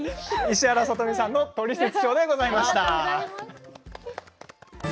石原さとみさんの「トリセツショー」でございました。